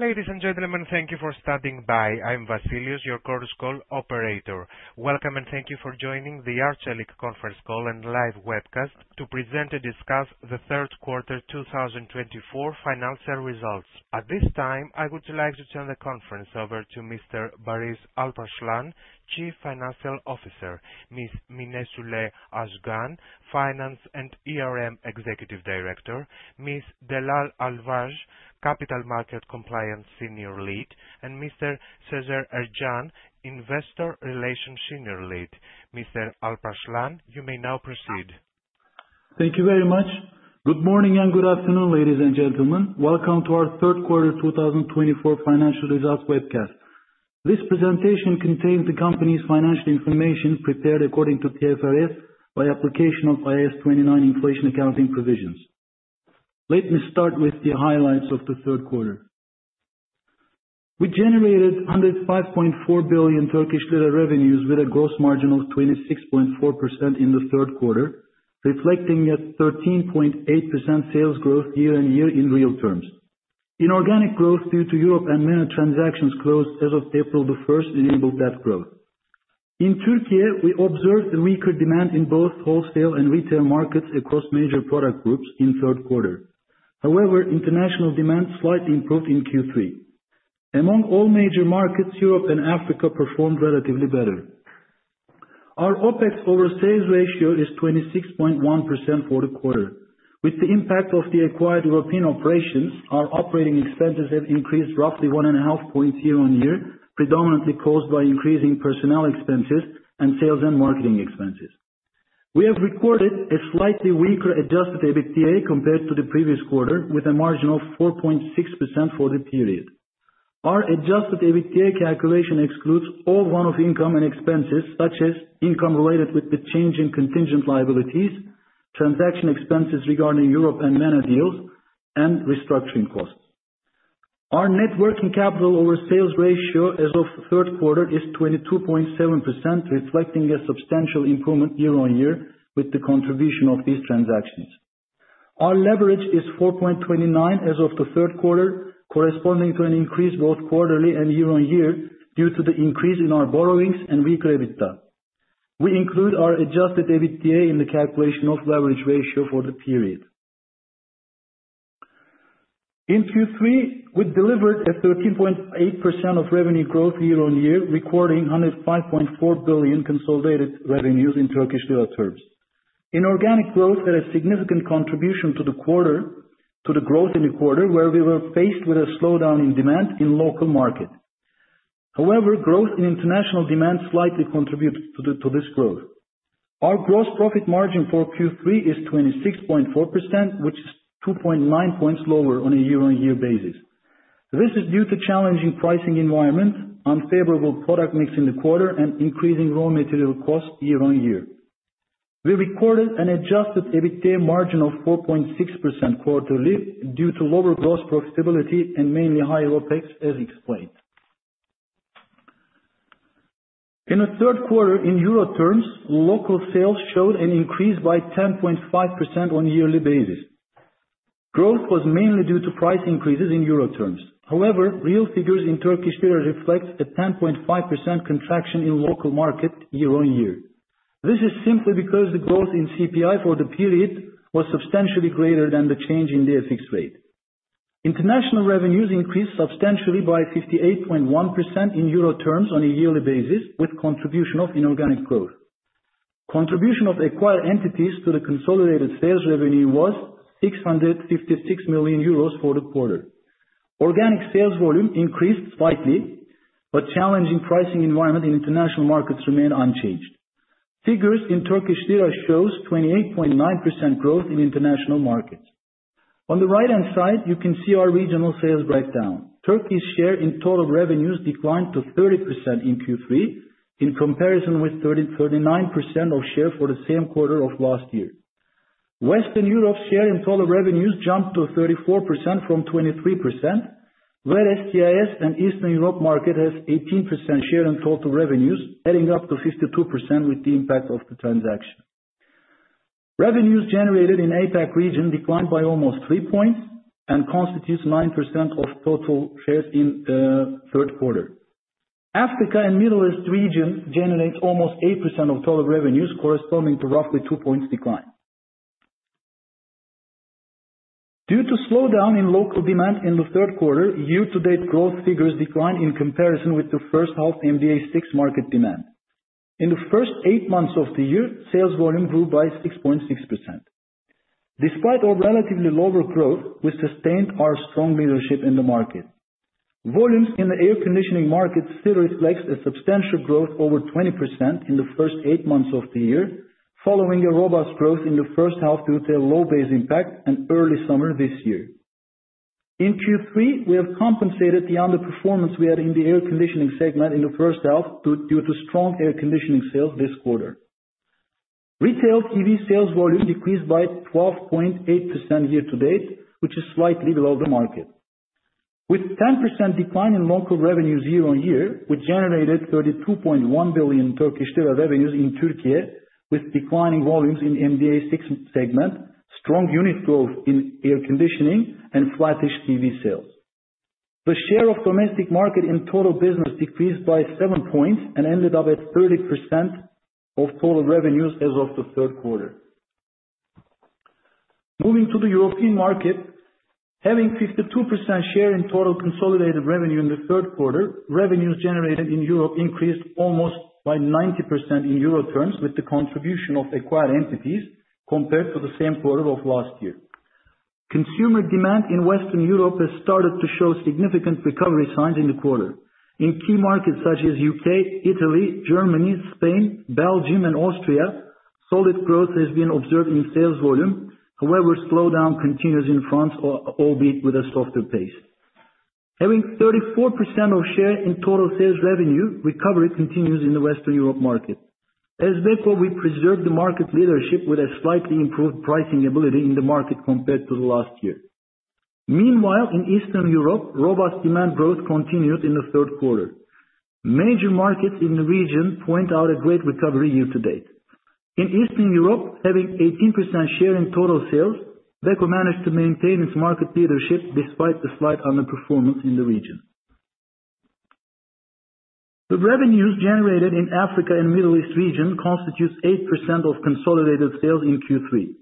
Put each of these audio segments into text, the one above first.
Ladies and gentlemen, thank you for standing by. I'm Vasileios, your Chorus Call operator. Welcome, and thank you for joining the Arçelik conference call and live webcast to present and discuss the third quarter two thousand and twenty-four financial results. At this time, I would like to turn the conference over to Mr. Barış Alparslan, Chief Financial Officer, Ms. Mine Süle Özkan, Finance and ERM Executive Director, Ms. Dalal Alver, Capital Market Compliance Senior Lead, and Mr. Sezer Ercan, Investor Relations Senior Lead. Mr. Alparslan, you may now proceed. Thank you very much. Good morning and good afternoon, ladies and gentlemen. Welcome to our third quarter 2024 financial results webcast. This presentation contains the company's financial information prepared according to TFRS by application of IAS 29 inflation accounting provisions. Let me start with the highlights of the third quarter. We generated 105.4 billion Turkish lira revenues with a gross margin of 26.4% in the third quarter, reflecting a 13.8% sales growth year-on-year in real terms. Inorganic growth due to Europe and MENA transactions closed as of April 1 enabled that growth. In Türkiye, we observed a weaker demand in both wholesale and retail markets across major product groups in third quarter. However, international demand slightly improved in Q3. Among all major markets, Europe and Africa performed relatively better. Our OpEx over sales ratio is 26.1% for the quarter. With the impact of the acquired European operations, our operating expenses have increased roughly 1.5 points year-on-year, predominantly caused by increasing personnel expenses and sales and marketing expenses. We have recorded a slightly weaker adjusted EBITDA compared to the previous quarter, with a margin of 4.6% for the period. Our adjusted EBITDA calculation excludes all one-off income and expenses, such as income related with the change in contingent liabilities, transaction expenses regarding Europe and MENA deals, and restructuring costs. Our net working capital over sales ratio as of third quarter is 22.7%, reflecting a substantial improvement year-on-year with the contribution of these transactions. Our leverage is 4.29% as of the third quarter, corresponding to an increase both quarterly and year-on-year, due to the increase in our borrowings and weaker EBITDA. We include our adjusted EBITDA in the calculation of leverage ratio for the period. In Q3, we delivered a 13.8% revenue growth year-on-year, recording 105.4 billion consolidated revenues in Turkish lira terms. Inorganic growth had a significant contribution to the quarter, to the growth in the quarter, where we were faced with a slowdown in demand in local market. However, growth in international demand slightly contributes to the, to this growth. Our gross profit margin for Q3 is 26.4%, which is 2.9 points lower on a year-on-year basis. This is due to challenging pricing environment, unfavorable product mix in the quarter, and increasing raw material costs year-on-year. We recorded an adjusted EBITDA margin of 4.6% quarterly due to lower gross profitability and mainly higher OpEx, as explained. In the third quarter in euro terms, local sales showed an increase by 10.5% on a yearly basis. Growth was mainly due to price increases in euro terms. However, real figures in Turkish lira reflect a 10.5% contraction in local market year-on-year. This is simply because the growth in CPI for the period was substantially greater than the change in the FX rate. International revenues increased substantially by 58.1% in euro terms on a yearly basis, with contribution of inorganic growth. Contribution of acquired entities to the consolidated sales revenue was 656 million euros for the quarter. Organic sales volume increased slightly, but challenging pricing environment in international markets remained unchanged. Figures in Turkish lira shows 28.9% growth in international markets. On the right-hand side, you can see our regional sales breakdown. Turkey's share in total revenues declined to 30% in Q3, in comparison with thirty-nine percent of share for the same quarter of last year. Western Europe's share in total revenues jumped to 34% from 23%, where CIS and Eastern Europe market has 18% share in total revenues, adding up to 52% with the impact of the transaction. Revenues generated in APAC region declined by almost three points and constitutes 9% of total shares in third quarter. Africa and Middle East region generates almost 8% of total revenues, corresponding to roughly two points decline. Due to slowdown in local demand in the third quarter, year-to-date growth figures declined in comparison with the first half MDA6 market demand. In the first eight months of the year, sales volume grew by 6.6%. Despite our relatively lower growth, we sustained our strong leadership in the market. Volumes in the air conditioning market still reflects a substantial growth over 20% in the first eight months of the year, following a robust growth in the first half due to a low base impact and early summer this year. In Q3, we have compensated the underperformance we had in the air conditioning segment in the first half due to strong air conditioning sales this quarter. Retail TV sales volume decreased by 12.8% year to date, which is slightly below the market. With 10% decline in local revenues year-on-year, we generated 32.1 billion Turkish lira revenues in Türkiye, with declining volumes in MDA6 segment. Strong unit growth in air conditioning and flattish TV sales. The share of domestic market in total business decreased by seven points and ended up at 30% of total revenues as of the third quarter. Moving to the European market, having 52% share in total consolidated revenue in the third quarter, revenues generated in Europe increased almost by 90% in euro terms, with the contribution of acquired entities compared to the same quarter of last year. Consumer demand in Western Europe has started to show significant recovery signs in the quarter. In key markets such as U.K., Italy, Germany, Spain, Belgium and Austria, solid growth has been observed in sales volume. However, slowdown continues in France, albeit with a softer pace. Having 34% of share in total sales revenue, recovery continues in the Western Europe market. As Beko, we preserved the market leadership with a slightly improved pricing ability in the market compared to the last year. Meanwhile, in Eastern Europe, robust demand growth continued in the third quarter. Major markets in the region point out a great recovery year to date. In Eastern Europe, having 18% share in total sales, Beko managed to maintain its market leadership despite the slight underperformance in the region. The revenues generated in Africa and Middle East region constitutes 8% of consolidated sales in Q3.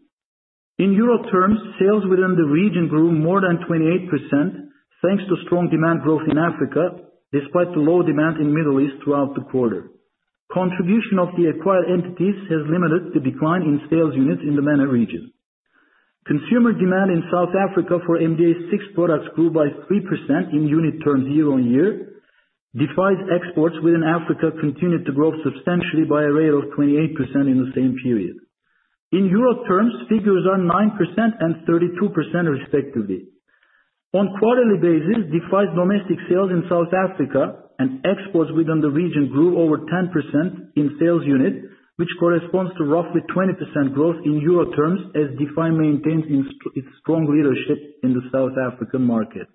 In euro terms, sales within the region grew more than 28%, thanks to strong demand growth in Africa, despite the low demand in Middle East throughout the quarter. Contribution of the acquired entities has limited the decline in sales units in the MENA region. Consumer demand in South Africa for MDA6 products grew by 3% in unit terms year-on-year. Defy exports within Africa continued to grow substantially by a rate of 28% in the same period. In euro terms, figures are 9% and 32% respectively. On quarterly basis, Defy's domestic sales in South Africa and exports within the region grew over 10% in sales unit, which corresponds to roughly 20% growth in euro terms, as Defy maintains its strong leadership in the South African market.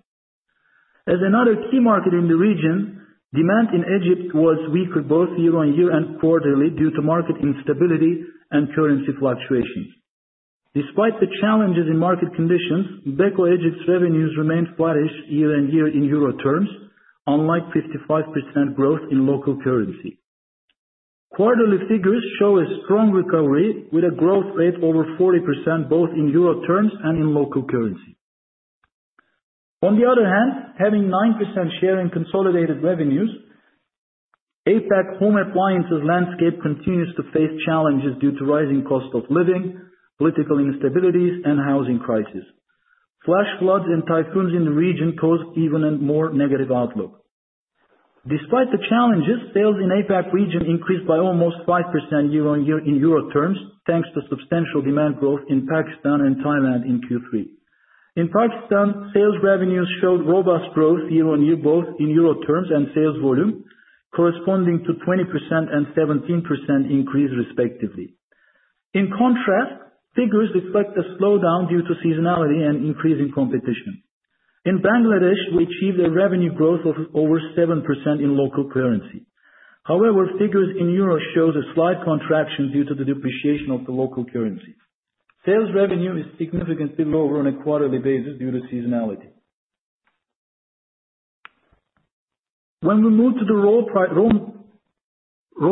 As another key market in the region, demand in Egypt was weaker both year-on-year and quarterly, due to market instability and currency fluctuations. Despite the challenges in market conditions, Beko Egypt's revenues remained flattish year-on-year in euro terms, unlike 55% growth in local currency. Quarterly figures show a strong recovery with a growth rate over 40%, both in euro terms and in local currency. On the other hand, having 9% share in consolidated revenues, APAC home appliances landscape continues to face challenges due to rising cost of living, political instabilities and housing crisis. Flash floods and typhoons in the region caused even a more negative outlook. Despite the challenges, sales in APAC region increased by almost 5% year-on-year in euro terms, thanks to substantial demand growth in Pakistan and Thailand in Q3. In Pakistan, sales revenues showed robust growth year-on-year, both in euro terms and sales volume, corresponding to 20% and 17% increase respectively. In contrast, figures expect a slowdown due to seasonality and increasing competition. In Bangladesh, we achieved a revenue growth of over 7% in local currency. However, figures in Europe shows a slight contraction due to the depreciation of the local currency. Sales revenue is significantly lower on a quarterly basis due to seasonality. When we move to the raw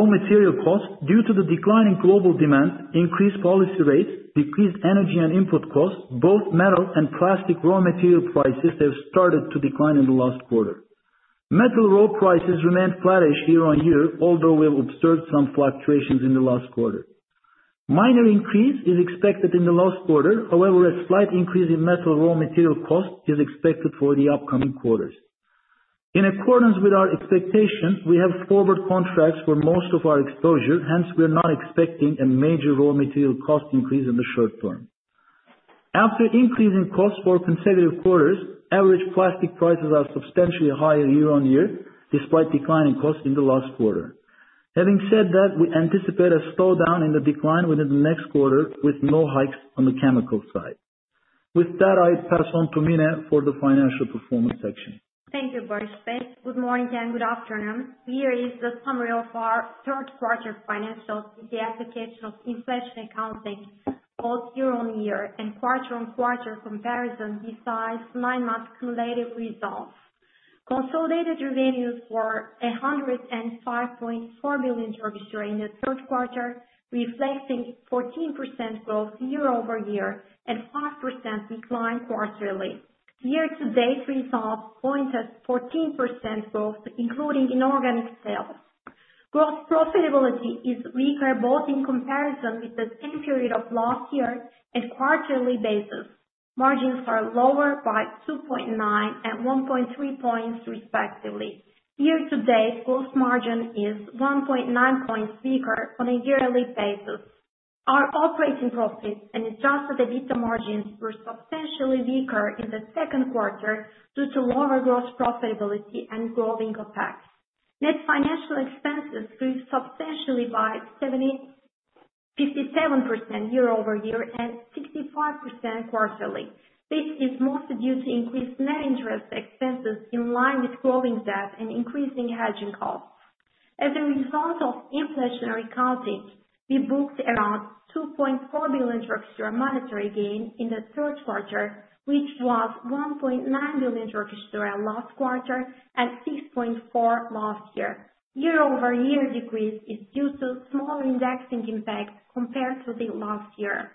material cost, due to the decline in global demand, increased policy rates, decreased energy and input costs, both metal and plastic raw material prices have started to decline in the last quarter. Metal raw prices remained flattish year-on-year, although we have observed some fluctuations in the last quarter. Minor increase is expected in the last quarter, however, a slight increase in metal raw material cost is expected for the upcoming quarters. In accordance with our expectations, we have forward contracts for most of our exposure, hence, we are not expecting a major raw material cost increase in the short term. After increasing costs for consecutive quarters, average plastic prices are substantially higher year on year, despite declining costs in the last quarter. Having said that, we anticipate a slowdown in the decline within the next quarter, with no hikes on the chemical side. With that, I pass on to Mine for the financial performance section. Thank you, Barış Bey. Good morning and good afternoon. Here is the summary of our third quarter financials with the application of inflation accounting, both year on year and quarter on quarter comparison, besides nine-month cumulative results. Consolidated revenues were 105.4 million in the third quarter, reflecting 14% growth year-over-year and 5% decline quarterly. Year to date results point at 14% growth, including inorganic sales. Gross profitability is weaker both in comparison with the same period of last year and quarterly basis. Margins are lower by 2.9 and 1.3 points respectively. Year to date, gross margin is 1.9 points weaker on a yearly basis. Our operating profits and adjusted EBITDA margins were substantially weaker in the second quarter due to lower gross profitability and growing CapEx. Net financial expenses grew substantially by 75% year-over-year and 65% quarterly. This is mostly due to increased net interest expenses in line with growing debt and increasing hedging costs. As a result of inflationary costing, we booked around TRY 2.4 billion monetary gain in the third quarter, which was TRY 1.9 billion last quarter, and 6.4 billion last year. Year-over-year decrease is due to small indexing impact compared to the last year.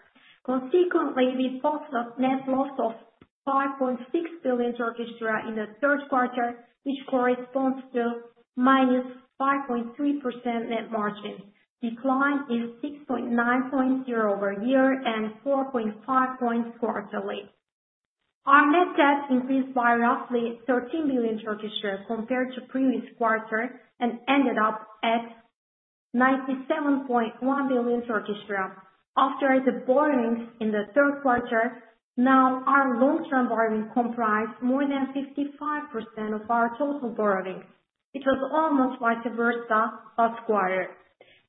Consequently, we posted net loss of 5.6 billion Turkish lira in the third quarter, which corresponds to -5.3% net margin. Decline is 6.9 points year-over-year, and 4.5 points quarterly. Our net debt increased by roughly 13 billion compared to previous quarter, and ended up at 97.1 billion. After the borrowings in the third quarter, now our long-term borrowing comprise more than 55% of our total borrowing, which was almost vice versa last quarter.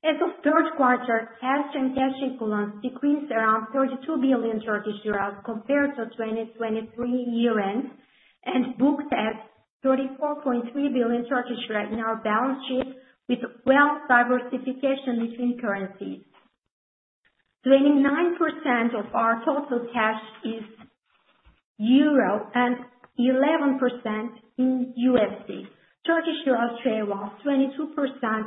As of third quarter, cash and cash equivalents decreased around TRY 32 billion compared to 2023 year-end, and booked at 34.3 billion in our balance sheet with well diversification between currencies. 29% of our total cash is Euro, and 11% in USD. Turkish lira share was 22%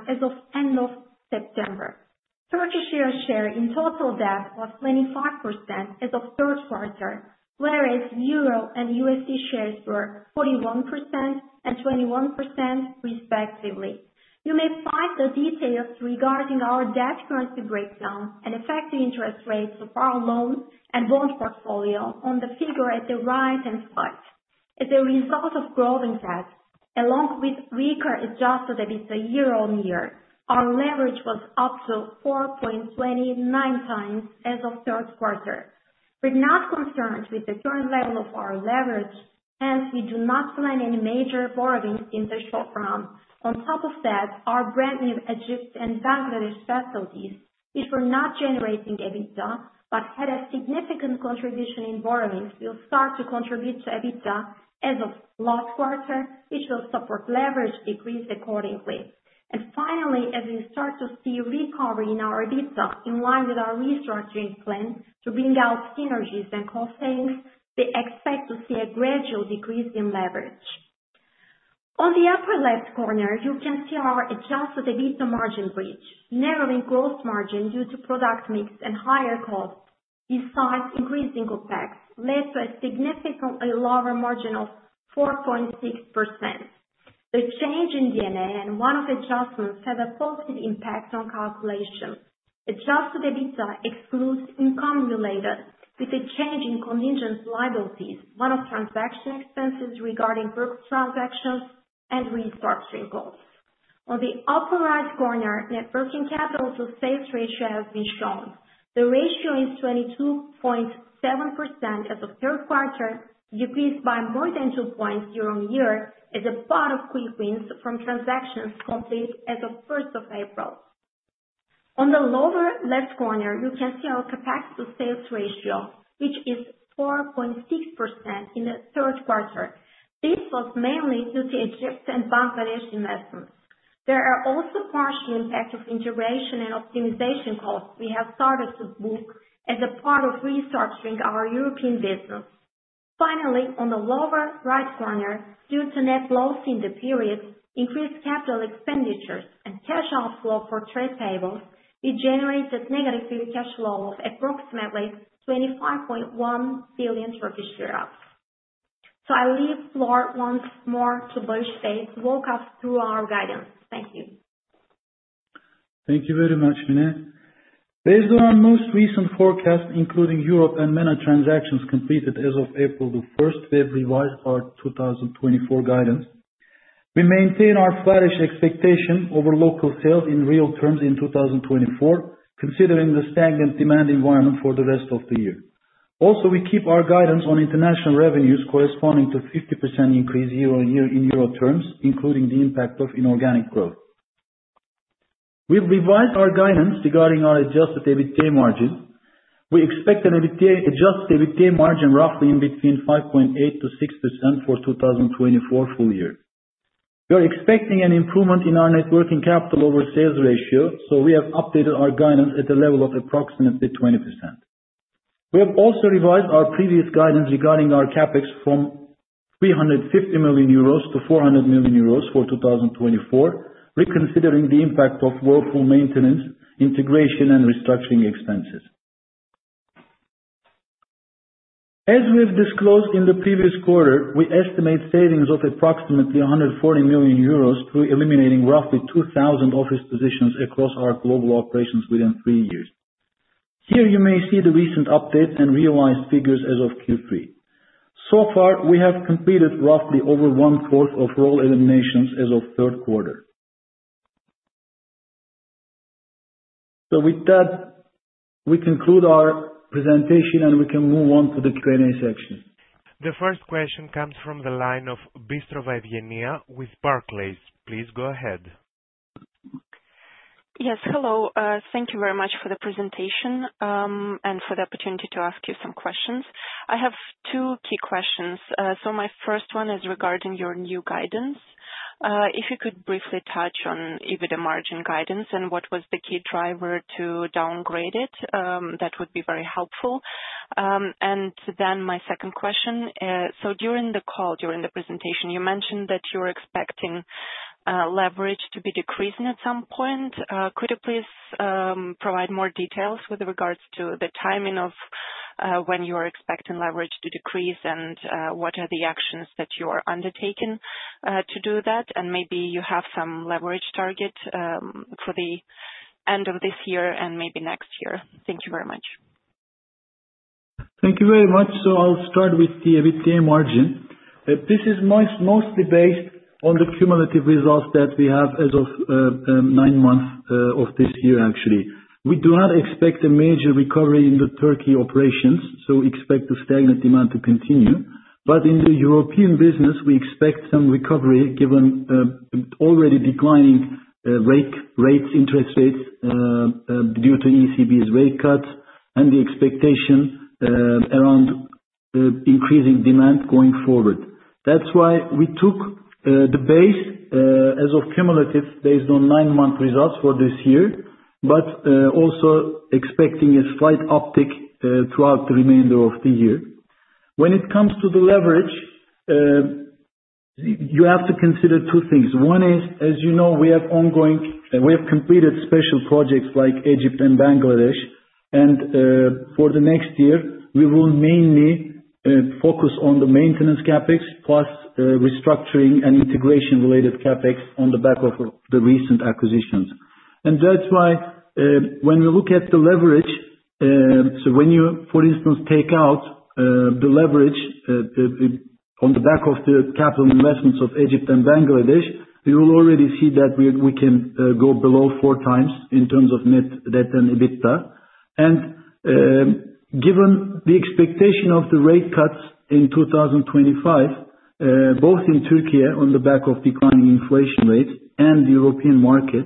as of end of September. Turkish lira share in total debt was 25% as of third quarter, whereas euro and USD shares were 41% and 21% respectively. You may find the details regarding our debt currency breakdown and effective interest rates of our loan and bond portfolio on the figure at the right-hand side. As a result of growing debt, along with weaker adjusted EBITDA year-on-year, our leverage was up to 4.29 times as of third quarter. We're not concerned with the current level of our leverage, and we do not plan any major borrowings in the short run. On top of that, our brand new Egypt and Bangladesh facilities, if we're not generating EBITDA but had a significant contribution in borrowings, will start to contribute to EBITDA as of last quarter, which will support leverage decrease accordingly. And finally, as we start to see recovery in our EBITDA, in line with our restructuring plan to bring out synergies and cost savings, we expect to see a gradual decrease in leverage. On the upper left corner, you can see our adjusted EBITDA margin bridge. Narrowing gross margin due to product mix and higher costs, besides increasing OpEx, led to a significantly lower margin of 4.6%. The change in D&A and one-off adjustments have a positive impact on calculation. Adjusted EBITDA excludes income related with a change in contingent liabilities, one-off transaction expenses regarding purchase transactions, and restructuring costs. On the upper right corner, net working capital to sales ratio has been shown. The ratio is 22.7% as of third quarter, decreased by more than two points year-on-year, as a part of quick wins from transactions completed as of first of April. On the lower left corner, you can see our CapEx to sales ratio, which is 4.6% in the third quarter. This was mainly due to Egypt and Bangladesh investments. There are also partial impact of integration and optimization costs we have started to book as a part of restructuring our European business. Finally, on the lower right corner, due to net loss in the period, increased capital expenditures and cash outflow for trade payables, we generated negative free cash flow of approximately 25.1 billion Turkish lira. So I leave floor once more to Barış Bey to walk us through our guidance. Thank you. Thank you very much, Mine. Based on our most recent forecast, including Europe and MENA transactions completed as of April the first, we've revised our two thousand twenty-four guidance. We maintain our flat-ish expectation over local sales in real terms in two thousand twenty-four, considering the stagnant demand environment for the rest of the year. Also, we keep our guidance on international revenues corresponding to 50% increase year-on-year in euro terms, including the impact of inorganic growth. We've revised our guidance regarding our adjusted EBITDA margin. We expect an EBITDA, adjusted EBITDA margin roughly in between 5.8%-6% for two thousand twenty-four full year. We are expecting an improvement in our net working capital over sales ratio, so we have updated our guidance at the level of approximately 20%. We have also revised our previous guidance regarding our CapEx from 350 million euros to 400 million euros for 2024, reconsidering the impact of workforce maintenance, integration, and restructuring expenses. As we've disclosed in the previous quarter, we estimate savings of approximately 140 million euros through eliminating roughly 2,000 office positions across our global operations within three years. Here, you may see the recent update and realized figures as of Q3. So far, we have completed roughly over one fourth of role eliminations as of third quarter. So with that, we conclude our presentation, and we can move on to the Q&A section. The first question comes from the line of Eugenia Bystrov with Barclays. Please go ahead. Yes, hello. Thank you very much for the presentation, and for the opportunity to ask you some questions. I have two key questions. So my first one is regarding your new guidance. If you could briefly touch on EBITDA margin guidance and what was the key driver to downgrade it, that would be very helpful. And then my second question, so during the call, during the presentation, you mentioned that you're expecting leverage to be decreasing at some point. Could you please provide more details with regards to the timing of when you are expecting leverage to decrease, and what are the actions that you are undertaking to do that? And maybe you have some leverage target for the end of this year and maybe next year. Thank you very much. Thank you very much, so I'll start with the EBITDA margin. This is mostly based on the cumulative results that we have as of nine months of this year, actually. We do not expect a major recovery in the Turkey operations, so we expect the stagnant demand to continue, but in the European business, we expect some recovery, given already declining interest rates due to ECB's rate cut and the expectation around increasing demand going forward. That's why we took the base as of cumulative, based on nine-month results for this year, but also expecting a slight uptick throughout the remainder of the year. When it comes to the leverage, you have to consider two things. One is, as you know, we have ongoing... We have completed special projects like Egypt and Bangladesh, and for the next year, we will mainly focus on the maintenance CapEx, plus restructuring and integration-related CapEx on the back of the recent acquisitions. That's why, when we look at the leverage, so when you, for instance, take out the leverage on the back of the capital investments of Egypt and Bangladesh, you will already see that we can go below four times in terms of net debt and EBITDA. Given the expectation of the rate cuts in 2025, both in Türkiye on the back of declining inflation rates and the European market,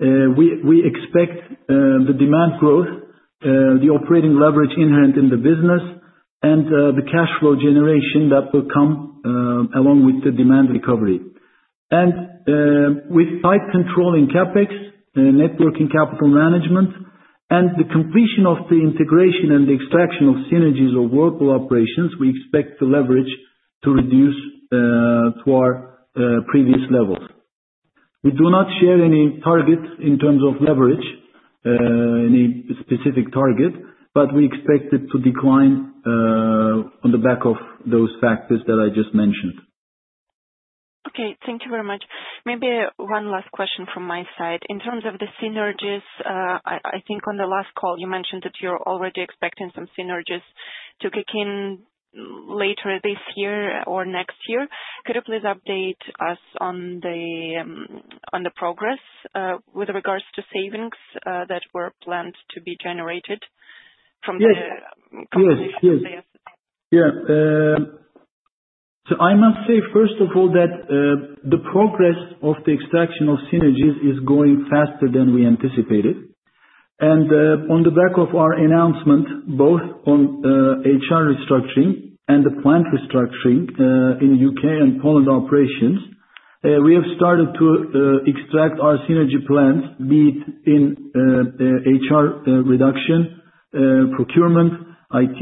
we expect the demand growth, the operating leverage inherent in the business, and the cash flow generation that will come along with the demand recovery. With tight controlling CapEx, net working capital management, and the completion of the integration and the extraction of synergies from Whirlpool operations, we expect the leverage to reduce to our previous levels. We do not share any targets in terms of leverage, any specific target, but we expect it to decline on the back of those factors that I just mentioned. Okay, thank you very much. Maybe one last question from my side. In terms of the synergies, I think on the last call, you mentioned that you're already expecting some synergies to kick in later this year or next year. Could you please update us on the progress with regards to savings that were planned to be generated from the- Yes. -combination layers? Yes. Yeah. So I must say, first of all, that the progress of the extraction of synergies is going faster than we anticipated. And on the back of our announcement, both on HR restructuring and the plant restructuring in U.K. and Poland operations, we have started to extract our synergy plans, be it in HR reduction, procurement, IT,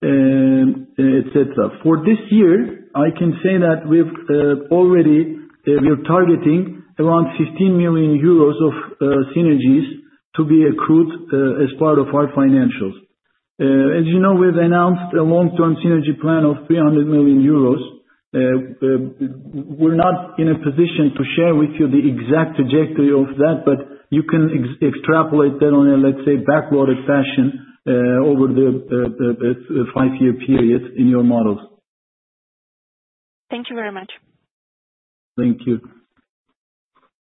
et cetera. For this year, I can say that we are targeting around EUR 15 million of synergies to be accrued as part of our financials. As you know, we've announced a long-term synergy plan of 300 million euros. We're not in a position to share with you the exact trajectory of that, but you can extrapolate that on a, let's say, backward fashion, over the five-year period in your models. Thank you very much. Thank you.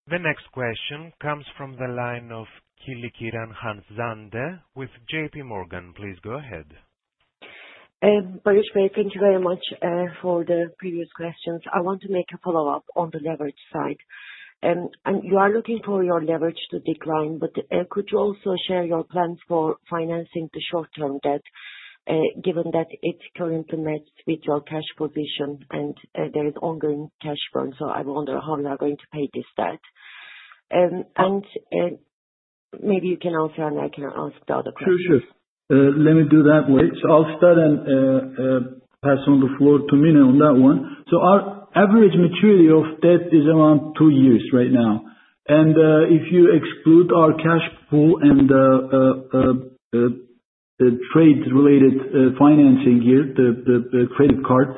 The next question comes from the line of Hanzade Kilickiran with J.P. Morgan. Please go ahead. Barış Bey, thank you very much for the previous questions. I want to make a follow-up on the leverage side. And you are looking for your leverage to decline, but could you also share your plans for financing the short-term debt, given that it currently matches with your cash position and there is ongoing cash burn, so I wonder how you are going to pay this debt? And maybe you can answer, and I can ask the other question. Sure, sure. Let me do that way. So I'll start and pass on the floor to Mine on that one. So our average maturity of debt is around two years right now, and if you exclude our cash pool and trade-related financing here, the credit card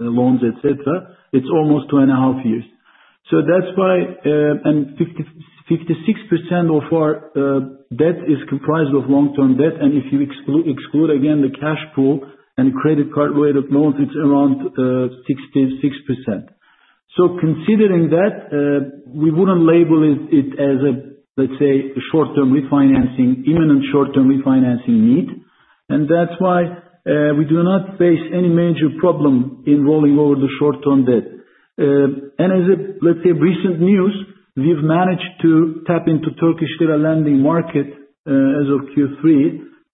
loans, et cetera, it's almost two and a half years. So that's why and 56% of our debt is comprised of long-term debt, and if you exclude, again, the cash pool and credit card related loans, it's around 66%. So considering that, we wouldn't label it as a, let's say, short-term refinancing, even in short-term refinancing need. And that's why we do not face any major problem in rolling over the short-term debt. And as a, let's say, recent news, we've managed to tap into Turkish lira lending market, as of Q3.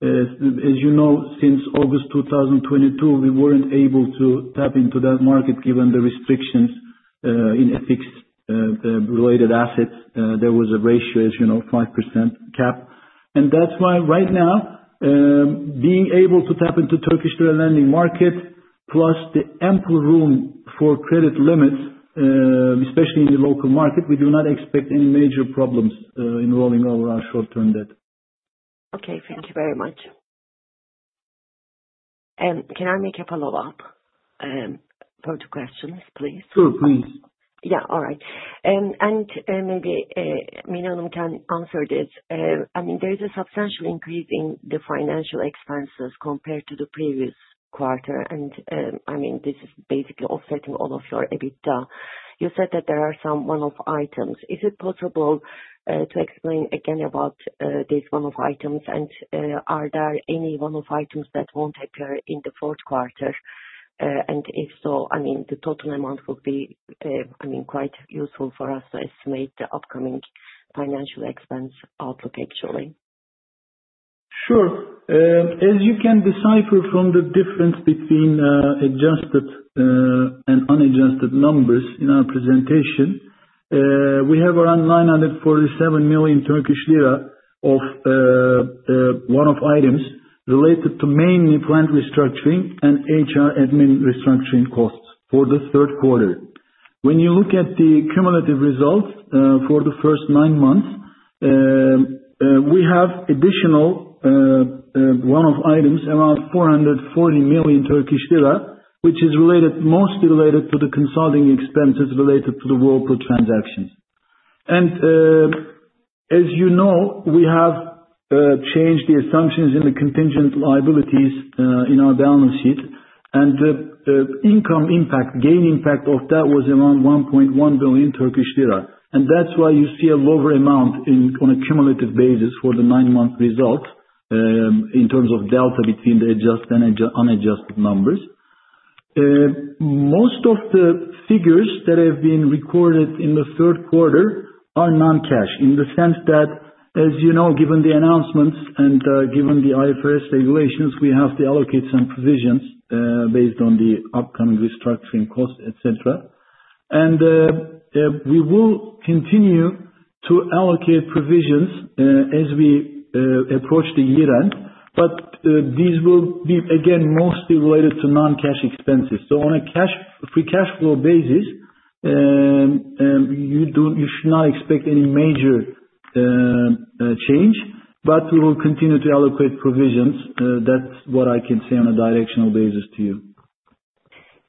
As you know, since August 2022, we weren't able to tap into that market, given the restrictions in ethics related assets. There was a ratio, as you know, 5% cap. And that's why right now, being able to tap into Turkish lira lending market, plus the ample room for credit limits, especially in the local market, we do not expect any major problems in rolling over our short-term debt. Okay. Thank you very much, and can I make a follow-up for two questions, please? Sure, please. Yeah. All right. And maybe Mine can answer this. I mean, there is a substantial increase in the financial expenses compared to the previous quarter, and I mean, this is basically offsetting all of your EBITDA. You said that there are some one-off items. Is it possible to explain again about these one-off items? And are there any one-off items that won't occur in the fourth quarter? And if so, I mean, the total amount would be I mean, quite useful for us to estimate the upcoming financial expense output actually. Sure. As you can decipher from the difference between adjusted and unadjusted numbers in our presentation, we have around TRY 947 million of one-off items related to mainly plant restructuring and HR admin restructuring costs for this third quarter. When you look at the cumulative results for the first nine months, we have additional one-off items, around 440 million Turkish lira, which is mostly related to the consulting expenses related to the Whirlpool transaction. And, as you know, we have changed the assumptions in the contingent liabilities in our balance sheet, and the income impact, gain impact of that was around 1.1 billion Turkish lira. That's why you see a lower amount in, on a cumulative basis for the nine-month result, in terms of delta between the adjusted and unadjusted numbers. Most of the figures that have been recorded in the third quarter are non-cash, in the sense that, as you know, given the announcements and, given the IFRS regulations, we have to allocate some provisions, based on the upcoming restructuring costs, et cetera. We will continue to allocate provisions, as we approach the year-end, but these will be again, mostly related to non-cash expenses. On a cash, free cash flow basis, you should not expect any major change, but we will continue to allocate provisions. That's what I can say on a directional basis to you.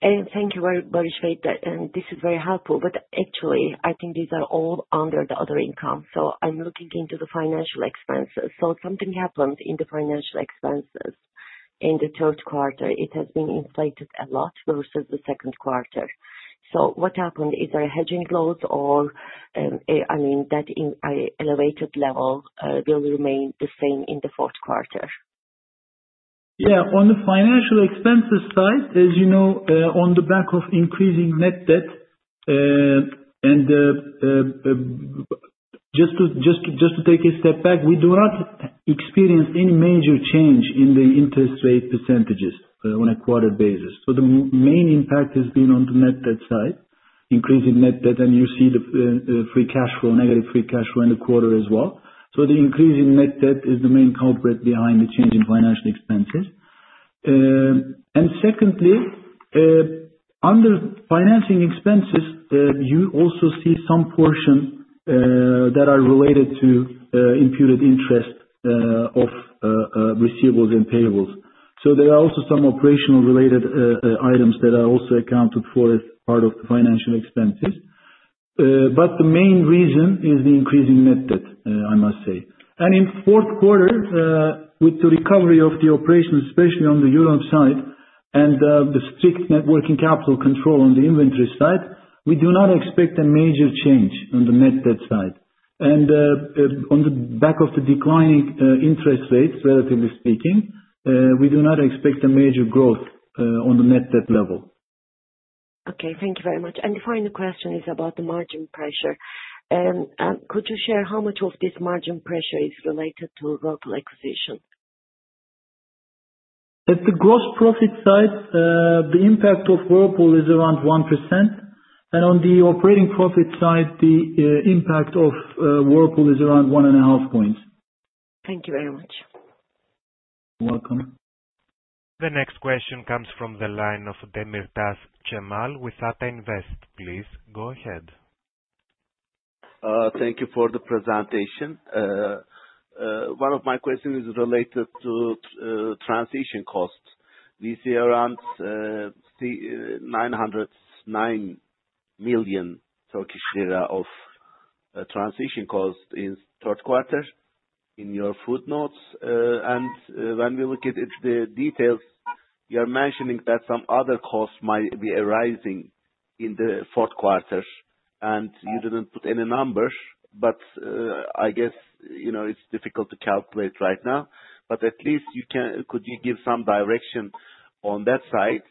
Thank you very, very much, and this is very helpful, but actually, I think these are all under the other income, so I'm looking into the financial expenses. Something happened in the financial expenses in the third quarter. It has been inflated a lot versus the second quarter. What happened? Is there a hedging loss or, I mean, that in a elevated level, will remain the same in the fourth quarter? Yeah. On the financial expenses side, as you know, on the back of increasing net debt, and just to take a step back, we do not experience any major change in the interest rate percentages, on a quarter basis. So the main impact has been on the net debt side, increasing net debt, and you see the free cash flow, negative free cash flow in the quarter as well. So the increase in net debt is the main culprit behind the change in financial expenses. And secondly, under financing expenses, you also see some portion that are related to imputed interest of receivables and payables. So there are also some operational related items that are also accounted for as part of the financial expenses. But the main reason is the increase in net debt, I must say. And in fourth quarter, with the recovery of the operations, especially on the Europe side and the strict net working capital control on the inventory side, we do not expect a major change on the net debt side. And, on the back of the declining interest rates, relatively speaking, we do not expect a major growth on the net debt level. Okay, thank you very much. And the final question is about the margin pressure. Could you share how much of this margin pressure is related to local acquisition? At the gross profit side, the impact of Whirlpool is around 1%, and on the operating profit side, the impact of Whirlpool is around 1.5 points. Thank you very much. You're welcome. The next question comes from the line of Cemal Demirtas with Ata Invest. Please, go ahead. Thank you for the presentation. One of my questions is related to transition costs. We see around TRY 909 million of transition cost in third quarter in your footnotes. And when we look at it, the details you are mentioning that some other costs might be arising in the fourth quarter, and you didn't put any numbers, but I guess, you know, it's difficult to calculate right now. But at least, could you give some direction on that side?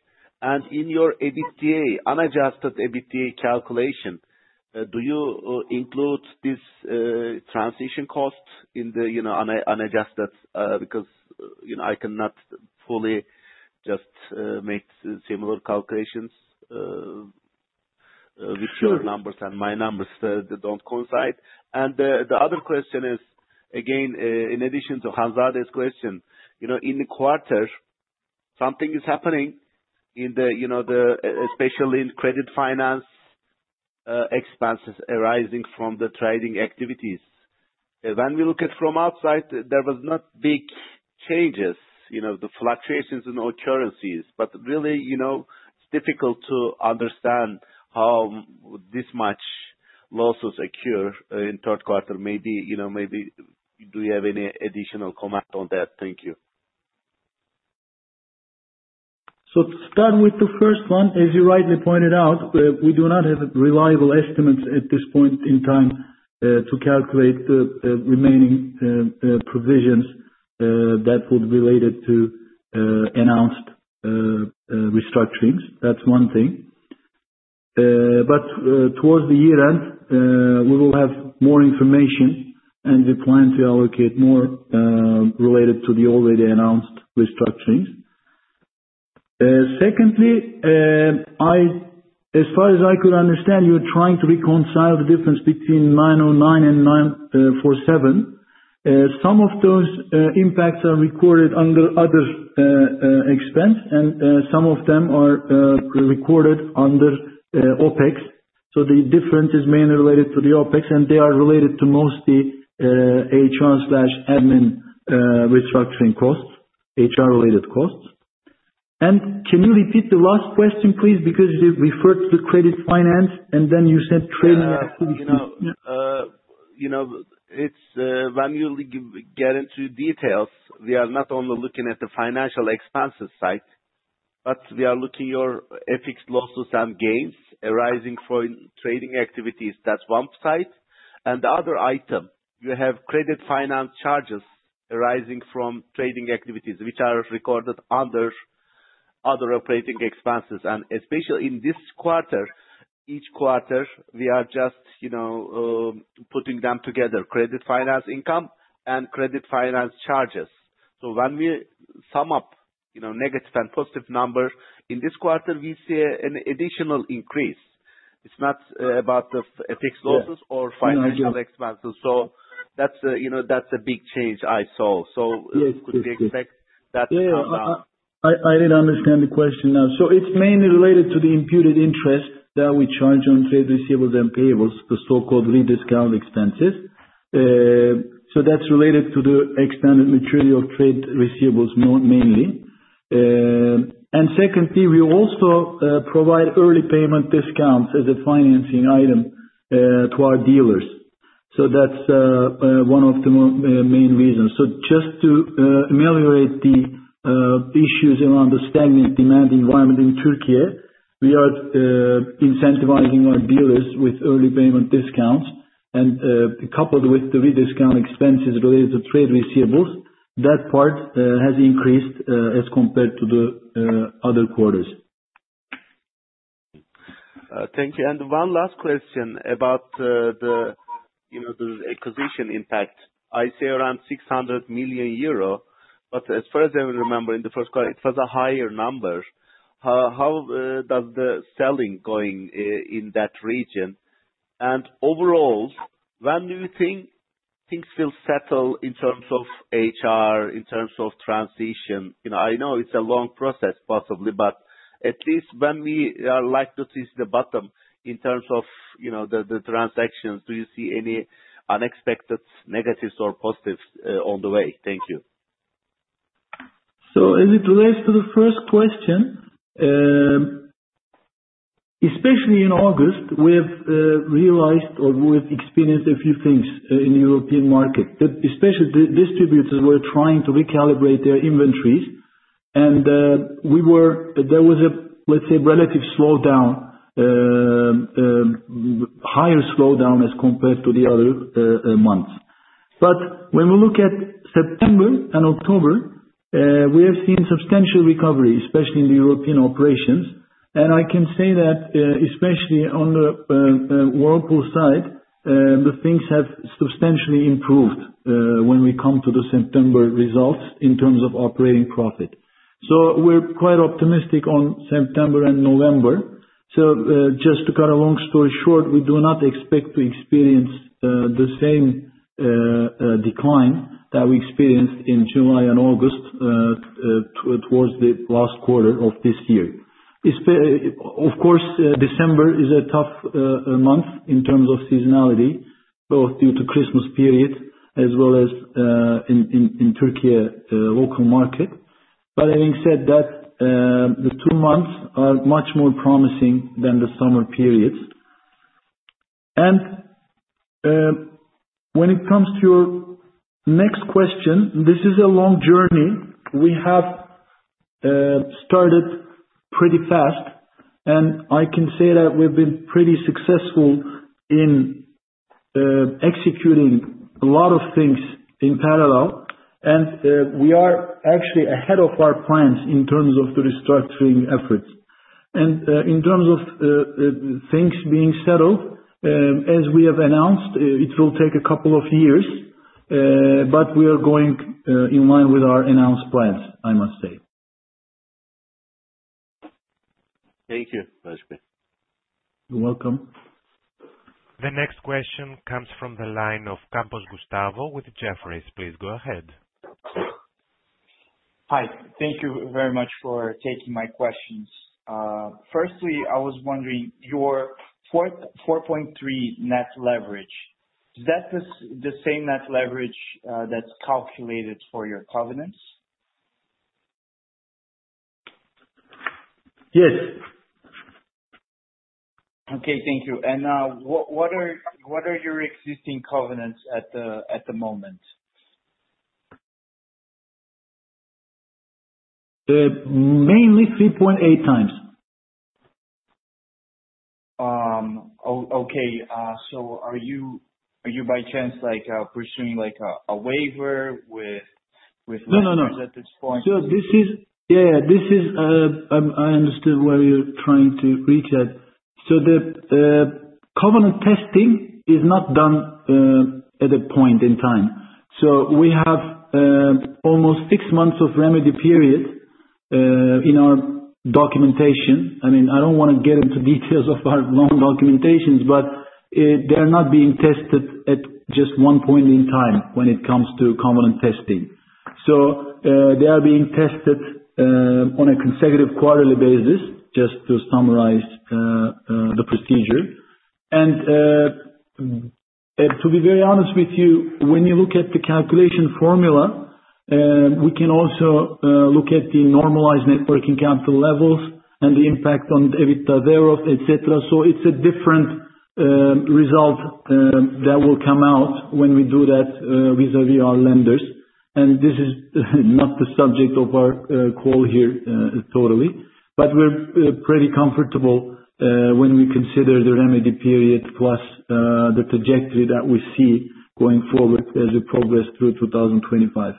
And in your EBITDA, unadjusted EBITDA calculation, do you include this transition cost in the unadjusted? Because, you know, I cannot fully just make similar calculations. Sure. With your numbers and my numbers, they don't coincide. And the other question is, again, in addition to Hande's question, you know, in the quarter, something is happening in the, you know, especially in credit finance, expenses arising from the trading activities. When we look at from outside, there was not big changes, you know, the fluctuations in all currencies, but really, you know, it's difficult to understand how this much losses occur in third quarter. Maybe, you know, maybe do you have any additional comment on that? Thank you. So to start with the first one, as you rightly pointed out, we do not have reliable estimates at this point in time to calculate the remaining provisions that would be related to announced restructurings. That's one thing. But towards the year end, we will have more information, and we plan to allocate more related to the already announced restructurings. Secondly, as far as I could understand, you're trying to reconcile the difference between nine oh nine and nine four seven. Some of those impacts are recorded under other expense, and some of them are recorded under OpEx. So the difference is mainly related to the OpEx, and they are related to mostly HR/admin restructuring costs, HR-related costs. And can you repeat the last question, please? Because you referred to credit finance, and then you said trading activities. You know, it's when you look, get into details, we are not only looking at the financial expenses side, but we are looking your FX losses and gains arising from trading activities. That's one side, and the other item, you have credit finance charges arising from trading activities, which are recorded under other operating expenses. And especially in this quarter, each quarter, we are just, you know, putting them together, credit finance income and credit finance charges. So when we sum up, you know, negative and positive numbers, in this quarter, we see an additional increase. It's not about the FX losses- Yeah. - or financial expenses. No, I got. So that's, you know, that's a big change I saw. Yes. Good. Good. So could we expect that to come down? Yeah, I did understand the question now. So it's mainly related to the imputed interest that we charge on trade receivables and payables, the so-called rediscount expenses. So that's related to the extended material trade receivables more mainly. And secondly, we also provide early payment discounts as a financing item to our dealers. So that's one of the main reasons. So just to ameliorate the issues around the spending demand environment in Turkey, we are incentivizing our dealers with early payment discounts. And coupled with the rediscount expenses related to trade receivables, that part has increased as compared to the other quarters. Thank you. And one last question about the acquisition impact. I say around 600 million euro, but as far as I remember, in the first quarter, it was a higher number. How does the selling going in that region? And overall, when do you think things will settle in terms of HR, in terms of transition? You know, I know it's a long process, possibly, but at least when we are likely to see the bottom in terms of the transaction, do you see any unexpected negatives or positives on the way? Thank you. So as it relates to the first question, especially in August, we have realized or we have experienced a few things in the European market. But especially the distributors were trying to recalibrate their inventories, and we were... there was a, let's say, relative slowdown, higher slowdown as compared to the other months. But when we look at September and October, we have seen substantial recovery, especially in the European operations. And I can say that, especially on the Whirlpool side, the things have substantially improved, when we come to the September results in terms of operating profit. So we're quite optimistic on September and November. Just to cut a long story short, we do not expect to experience the same decline that we experienced in July and August towards the last quarter of this year. Especially, of course, December is a tough month in terms of seasonality, both due to the Christmas period as well as in the local market in Turkey. Having said that, the two months are much more promising than the summer periods. When it comes to your next question, this is a long journey. We have started pretty fast, and I can say that we've been pretty successful in executing a lot of things in parallel, and we are actually ahead of our plans in terms of the restructuring efforts. In terms of things being settled, as we have announced, it will take a couple of years, but we are going in line with our announced plans, I must say. Thank you, Özge. You're welcome. The next question comes from the line of Gustavo Campos with Jefferies. Please go ahead. Hi, thank you very much for taking my questions. Firstly, I was wondering, your four point three net leverage, is that the same net leverage that's calculated for your covenants? Yes. Okay, thank you. What are your existing covenants at the moment? Mainly 3.8 times. Okay. So are you by chance like pursuing like a waiver with with- No, no, no. Lenders at this point? Yeah, this is. I understand where you're trying to reach at, so the covenant testing is not done at a point in time, so we have almost six months of remedy period in our loan documentation. I mean, I don't wanna get into details of our loan documentation, but they are not being tested at just one point in time when it comes to covenant testing, so they are being tested on a consecutive quarterly basis, just to summarize the procedure, and to be very honest with you, when you look at the calculation formula, we can also look at the normalized net working capital levels and the impact on the EBITDA thereof, etc. So it's a different result that will come out when we do that vis-a-vis our lenders. And this is not the subject of our call here totally, but we're pretty comfortable when we consider the remedy period, plus the trajectory that we see going forward as we progress through 2025.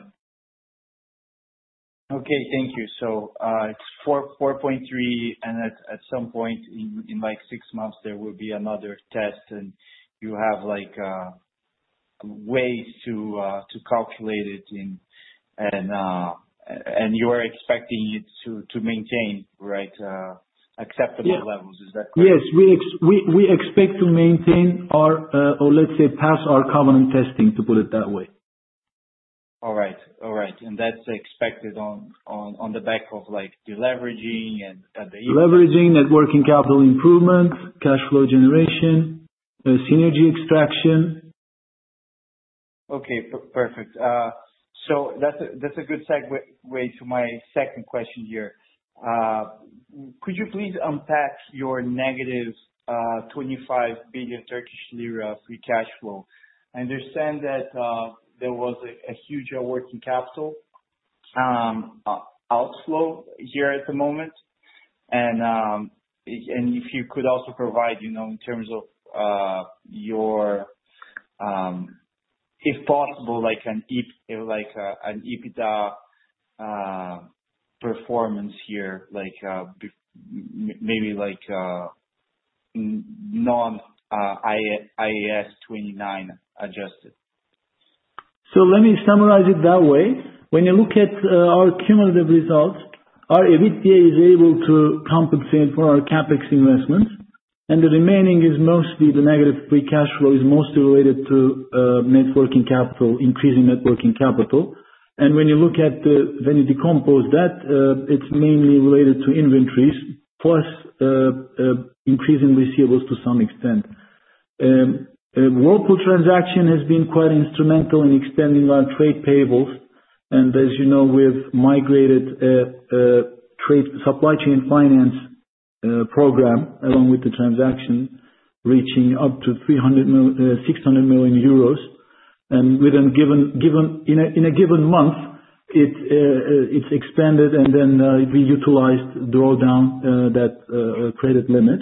Okay, thank you. So, it's four point three, and at some point in like six months, there will be another test, and you have like a way to calculate it in, and you are expecting it to maintain, right, acceptable- Yeah -levels. Is that correct? Yes. We expect to maintain our, or let's say, pass our covenant testing, to put it that way. All right, and that's expected on the back of, like, deleveraging and the- Leveraging, Net Working Capital improvements, cash flow generation, synergy extraction. Okay, perfect. So that's a good segue to my second question here. Could you please unpack your negative 25 billion Turkish lira free cash flow? I understand that there was a huge working capital outflow here at the moment, and if you could also provide, you know, in terms of your. If possible, like, an EBITDA performance here, like, maybe non IAS 29 adjusted. Let me summarize it that way. When you look at our cumulative results, our EBITDA is able to compensate for our CapEx investments, and the remaining is mostly the negative free cash flow, is mostly related to net working capital, increasing net working capital. When you look at when you decompose that, it's mainly related to inventories, plus increasing receivables to some extent. The Whirlpool transaction has been quite instrumental in extending our trade payables, and as you know, we've migrated trade supply chain finance program along with the transaction, reaching up to 600 million euros. Within a given month, it's expanded, and then we utilize draw down that credit limit.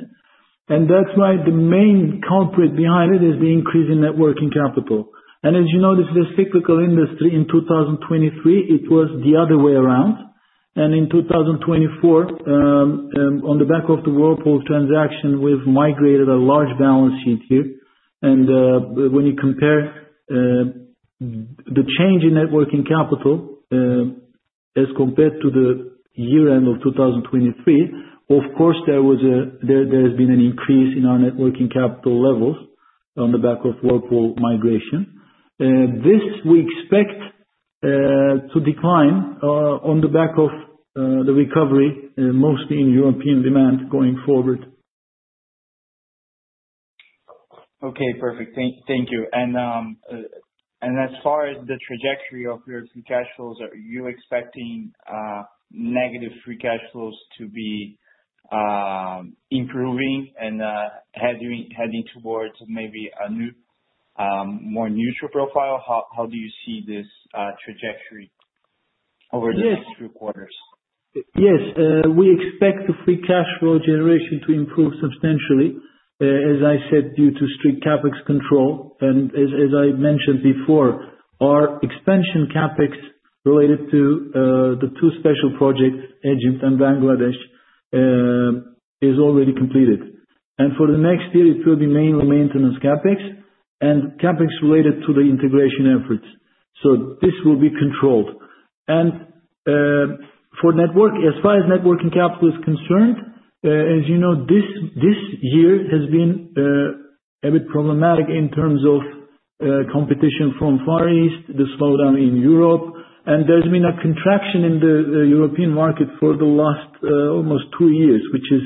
That's why the main culprit behind it is the increase in net working capital. As you know, this is a cyclical industry. In 2023, it was the other way around, and in 2024, on the back of the Whirlpool transaction, we've migrated a large balance sheet here. When you compare the change in net working capital as compared to the year-end of 2023, of course, there has been an increase in our net working capital levels on the back of Whirlpool migration. This we expect to decline on the back of the recovery, mostly in European demand going forward. Okay, perfect. Thank you. And as far as the trajectory of your free cash flows, are you expecting negative free cash flows to be improving and heading towards maybe a new more neutral profile? How do you see this trajectory over- Yes. the next few quarters? Yes, we expect the free cash flow generation to improve substantially, as I said, due to strict CapEx control, and as I mentioned before, our expansion CapEx related to the two special projects, Egypt and Bangladesh, is already completed. And for the next year, it will be mainly maintenance CapEx and CapEx related to the integration efforts, so this will be controlled. And for net working capital, as far as net working capital is concerned, as you know, this year has been a bit problematic in terms of competition from Far East, the slowdown in Europe, and there's been a contraction in the European market for the last almost two years, which is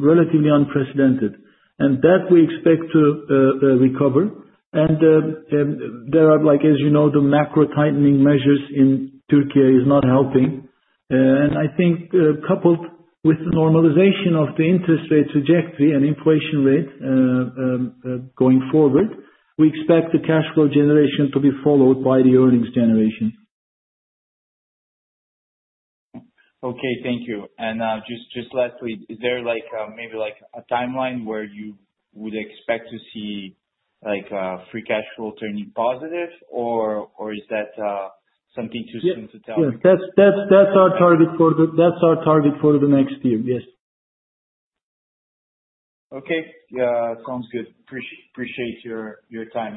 relatively unprecedented. And that we expect to recover. And there are, like, as you know, the macro-tightening measures in Turkey is not helping. and I think, coupled with the normalization of the interest rate trajectory and inflation rate, going forward, we expect the cash flow generation to be followed by the earnings generation. Okay, thank you. And just lastly, is there, like, maybe like a timeline where you would expect to see, like, Free Cash Flow turning positive? Or is that something too soon to tell? Yeah. That's our target for the next year. Yes. Okay. Yeah, sounds good. Appreciate your time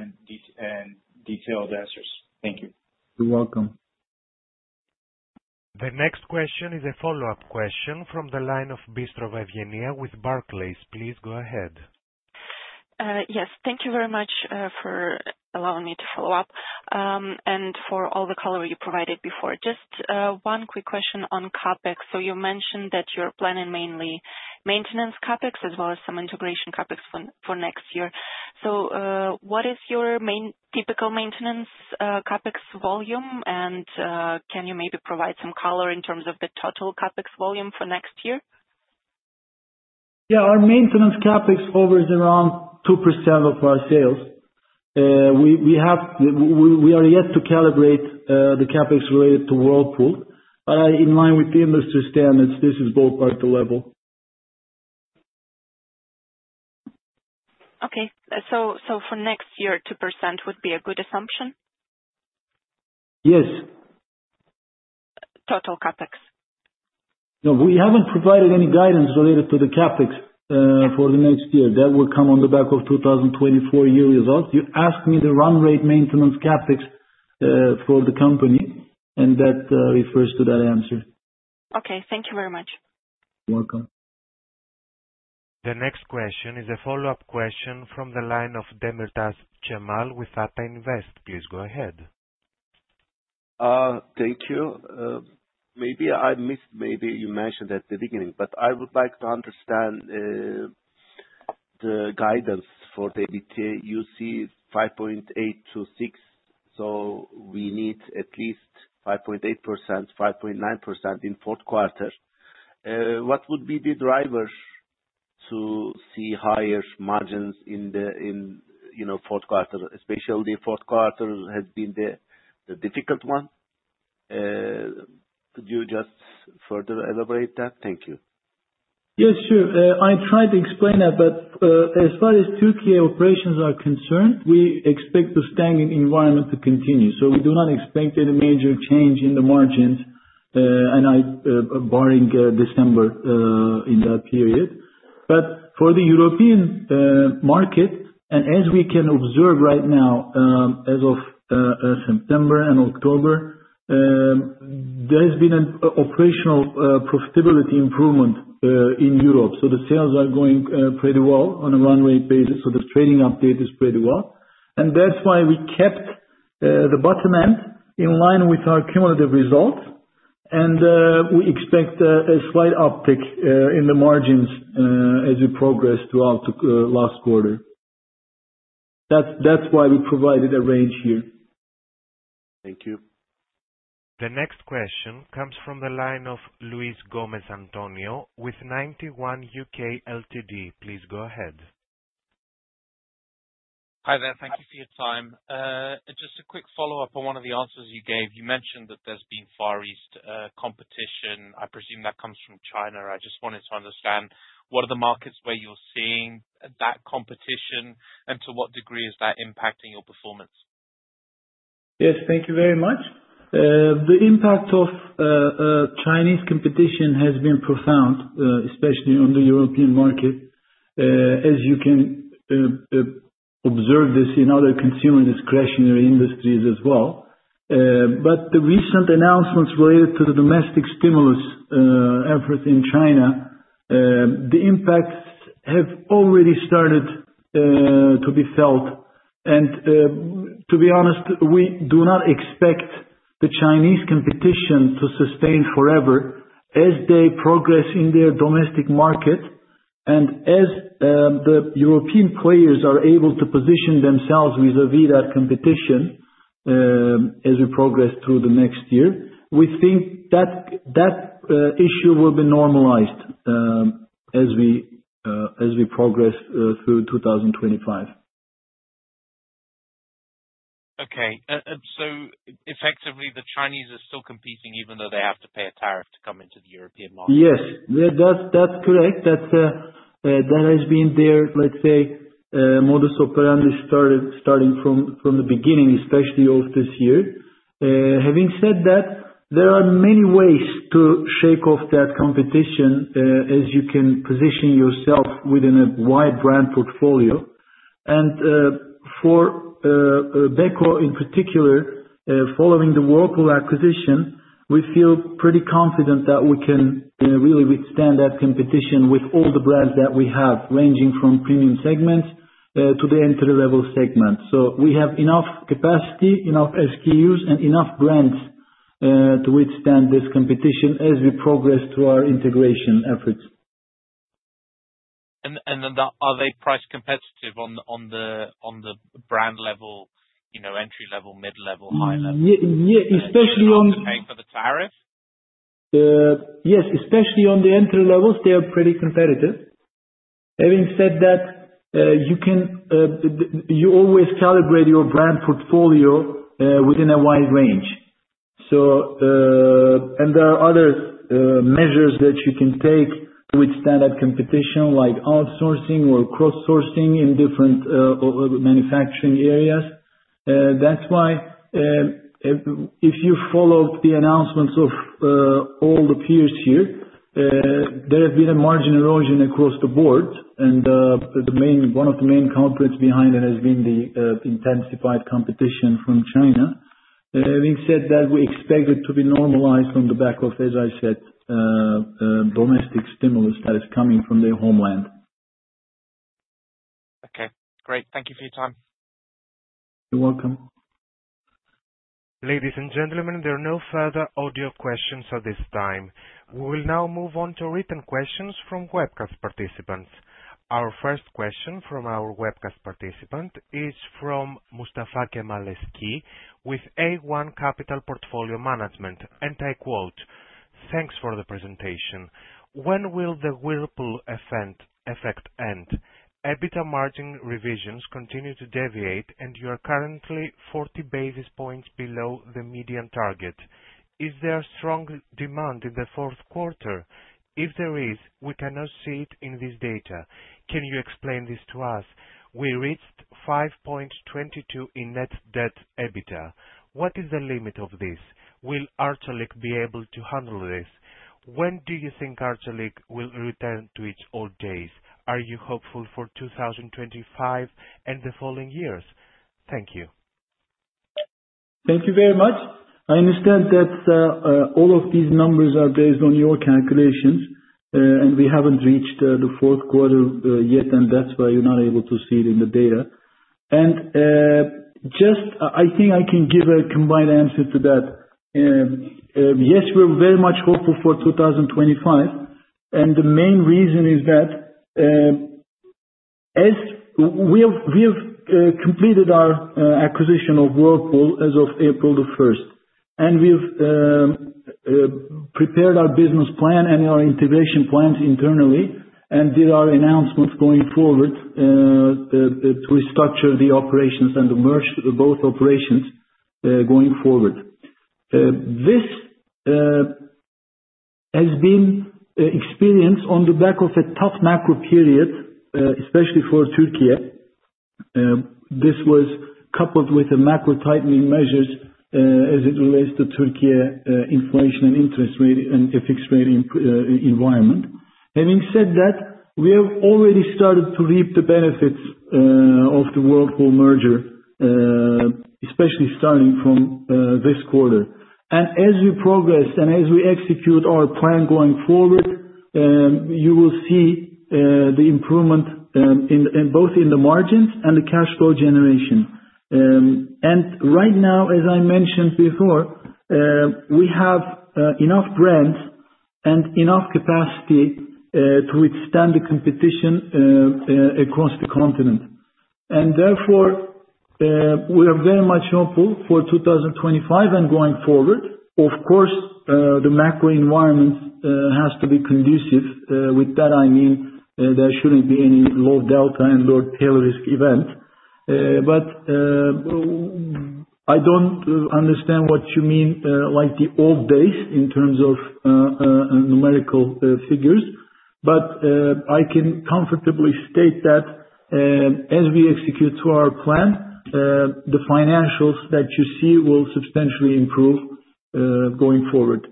and detailed answers. Thank you. You're welcome. The next question is a follow-up question from the line of Eugenia Bystrov with Barclays. Please go ahead. Yes. Thank you very much for allowing me to follow up, and for all the color you provided before. Just one quick question on CapEx. So you mentioned that you're planning mainly maintenance CapEx, as well as some integration CapEx for next year. So, what is your main typical maintenance CapEx volume? And, can you maybe provide some color in terms of the total CapEx volume for next year? Yeah, our maintenance CapEx hovers around 2% of our sales. We are yet to calibrate the CapEx related to Whirlpool in line with the industry standards, this is ballpark, the level. Okay. So for next year, 2% would be a good assumption? Yes. Total CapEx? No, we haven't provided any guidance related to the CapEx for the next year. That will come on the back of 2024 year results. You asked me the run rate maintenance CapEx for the company, and that refers to that answer. Okay. Thank you very much. You're welcome. The next question is a follow-up question from the line of Cemal Demirtas with Ata Invest. Please go ahead. Thank you. Maybe I missed, maybe you mentioned at the beginning, but I would like to understand the guidance for the EBITDA. You see 5.8%-6%, so we need at least 5.8%, 5.9% in fourth quarter. What would be the drivers to see higher margins in the, in, you know, fourth quarter, especially fourth quarter has been the difficult one. Could you just further elaborate that? Thank you. Yes, sure. I tried to explain that, but, as far as Turkey operations are concerned, we expect the stagnant environment to continue, so we do not expect any major change in the margins, and I, barring December, in that period. But for the European market, and as we can observe right now, as of September and October, there has been an operational profitability improvement in Europe. So the sales are going pretty well on a run rate basis, so the trading update is pretty well. And that's why we kept the bottom end in line with our cumulative results, and we expect a slight uptick in the margins, as we progress throughout the last quarter. That's why we provided a range here. Thank you. The next question comes from the line of Luis Gomez with Ninety One UK Ltd. Please go ahead. Hi there. Thank you for your time. Just a quick follow-up on one of the answers you gave. You mentioned that there's been Far East competition. I presume that comes from China. I just wanted to understand, what are the markets where you're seeing that competition, and to what degree is that impacting your performance? Yes, thank you very much. The impact of Chinese competition has been profound, especially on the European market, as you can observe this in other consumer discretionary industries as well, but the recent announcements related to the domestic stimulus efforts in China, the impacts have already started to be felt, and to be honest, we do not expect the Chinese competition to sustain forever. As they progress in their domestic market and as the European players are able to position themselves vis-a-vis that competition, as we progress through the next year, we think that issue will be normalized, as we progress through two thousand and twenty-five. Okay, and so effectively, the Chinese are still competing even though they have to pay a tariff to come into the European market? Yes. Yeah, that's, that's correct. That has been their, let's say, modus operandi starting from the beginning, especially of this year. Having said that, there are many ways to shake off that competition, as you can position yourself within a wide brand portfolio. And, for Beko in particular, following the Whirlpool acquisition, we feel pretty confident that we can really withstand that competition with all the brands that we have, ranging from premium segments to the entry-level segment. So we have enough capacity, enough SKUs, and enough brands to withstand this competition as we progress through our integration efforts. Are they price competitive on the brand level, you know, entry level, mid-level, high level? Yeah, yeah, especially on- Have to pay for the tariff? Yes, especially on the entry levels, they are pretty competitive. Having said that, you can you always calibrate your brand portfolio within a wide range. So, and there are other measures that you can take to withstand that competition, like outsourcing or cross-sourcing in different manufacturing areas. That's why, if you followed the announcements of all the peers here, there has been a margin erosion across the board, and the main one of the main culprits behind it has been the intensified competition from China. Having said that, we expect it to be normalized on the back of, as I said, domestic stimulus that is coming from their homeland. Okay, great. Thank you for your time. You're welcome. Ladies and gentlemen, there are no further audio questions at this time. We will now move on to written questions from webcast participants. Our first question from our webcast participant is from Mustafa Kemal Eski, with A1 Capital Portfolio Management, and I quote: "Thanks for the presentation. When will the Whirlpool effect end? EBITDA margin revisions continue to deviate, and you are currently forty basis points below the median target. Is there strong demand in the fourth quarter? If there is, we cannot see it in this data. Can you explain this to us? We reached 5.22 in Net Debt EBITDA. What is the limit of this? Will Arçelik be able to handle this? When do you think Arçelik will return to its old days? Are you hopeful for two thousand and twenty-five and the following years? Thank you. Thank you very much. I understand that all of these numbers are based on your calculations, and we haven't reached the fourth quarter yet, and that's why you're not able to see it in the data. Just, I think I can give a combined answer to that. Yes, we're very much hopeful for 2025, and the main reason is that, as we have completed our acquisition of Whirlpool as of April the first. We've prepared our business plan and our integration plans internally, and did our announcements going forward to restructure the operations and merge both operations going forward. This has been experienced on the back of a tough macro period, especially for Türkiye. This was coupled with the macro tightening measures, as it relates to Türkiye, inflation and interest rate and fixed rate environment. Having said that, we have already started to reap the benefits of the Whirlpool merger, especially starting from this quarter. And as we progress, and as we execute our plan going forward, you will see the improvement in both the margins and the cash flow generation. And right now, as I mentioned before, we have enough brands and enough capacity to withstand the competition across the continent. And therefore, we are very much hopeful for two thousand and twenty-five and going forward. Of course, the macro environment has to be conducive. With that, I mean, there shouldn't be any low delta and low tail risk event. But I don't understand what you mean, like the old days in terms of numerical figures, but I can comfortably state that as we execute to our plan, the financials that you see will substantially improve going forward.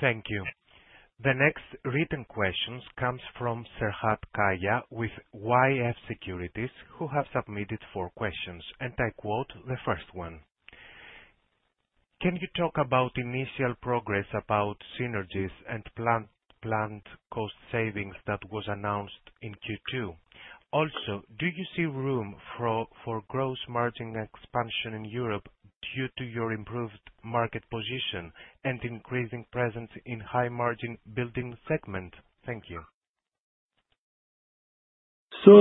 Thank you. The next written questions comes from Serhat Kaya, with YF Securities, who have submitted four questions, and I quote the first one: "Can you talk about initial progress about synergies and planned cost savings that was announced in Q2? Also, do you see room for gross margin expansion in Europe due to your improved market position and increasing presence in high-margin built-in segment? Thank you. So,